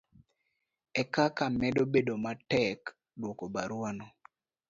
ekaka medo bedo matek dwoko barua no